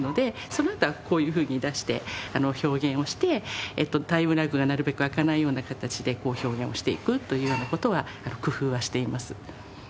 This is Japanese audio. そのあとはこういうふうに出して表現をしてタイムラグがなるべく空かないような形で表現をしていくというような事は工夫はしています。